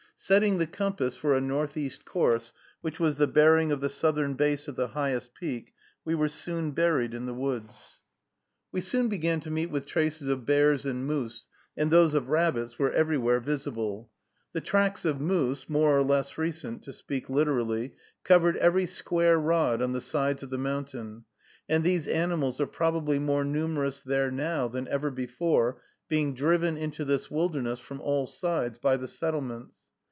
Setting the compass for a northeast course, which was the bearing of the southern base of the highest peak, we were soon buried in the woods. We soon began to meet with traces of bears and moose, and those of rabbits were everywhere visible. The tracks of moose, more or less recent, to speak literally, covered every square rod on the sides of the mountain; and these animals are probably more numerous there now than ever before, being driven into this wilderness, from all sides, by the settlements.